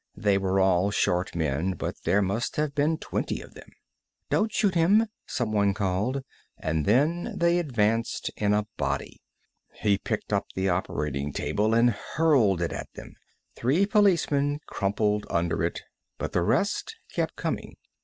They were all short men, but there must have been twenty of them. "Don't shoot him," someone called. And then they advanced in a body. He picked up the operating table and hurled it at them. Three policemen crumpled under it, but the rest kept coming.